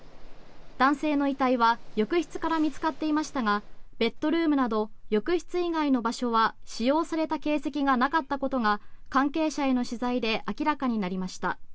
男性の遺体は浴室から見つかっていましたがベッドルームなど浴室以外の場所は使用された形跡がなかったことが関係者への取材で明らかになりました。